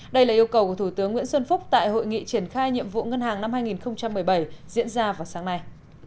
đây là yêu cầu của thủ tướng nguyễn xuân phúc tại hội nghị triển khai nhiệm vụ ngân hàng năm hai nghìn một mươi bảy diễn ra vào sáng nay